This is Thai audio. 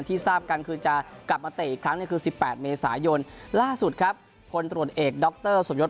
ทราบกันคือจะกลับมาเตะอีกครั้งเนี่ยคือ๑๘เมษายนล่าสุดครับพลตรวจเอกดรสมยศ